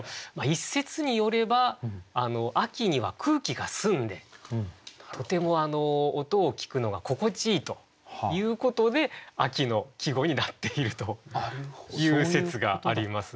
一説によれば秋には空気が澄んでとても音を聞くのが心地いいということで秋の季語になっているという説があります。